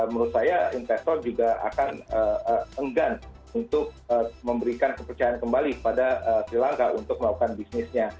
menurut saya investor juga akan enggan untuk memberikan kepercayaan kembali pada sri lanka untuk melakukan bisnisnya